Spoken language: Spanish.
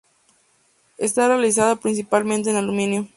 Está realizada principalmente en aluminio.